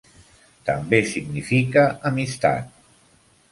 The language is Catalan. També significa amistat.